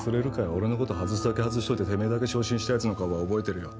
俺のこと外すだけ外しといててめえだけ昇進したやつの顔は覚えてるよ